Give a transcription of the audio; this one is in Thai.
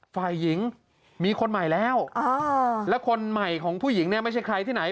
ฝ่ายหญิงมีคนใหม่แล้วแล้วคนใหม่ของผู้หญิงเนี่ยไม่ใช่ใครที่ไหน